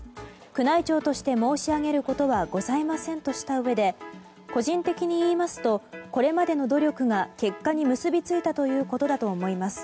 宮内庁として申し上げることはございませんとしたうえで個人的に言いますとこれまでの努力が結果に結びついたということだと思います。